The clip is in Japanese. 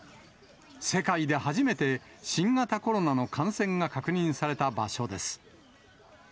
世界で初めて、新型コロナの感染が確認された場所です。